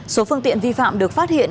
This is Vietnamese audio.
số phương tiện vi phạm được phát hiện